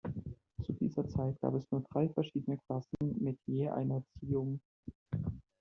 Zu dieser Zeit gab es nur drei verschiedene Klassen mit je einer Ziehung.